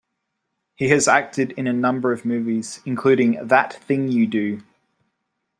He has acted in a number of movies, including That Thing You Do!